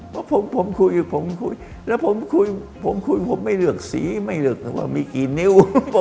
เพราะผมคุยผมคุยแล้วผมคุยผมคุยผมไม่เลือกสีไม่เลือกว่ามีกี่นิ้ว